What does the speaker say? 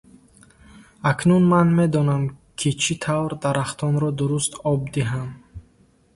Акнун ман медонам, ки чӣ тавр дарахтонро дуруст об диҳам.